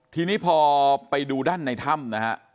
ทีนี้พอไปดูด้านในถ้ำนะฮะ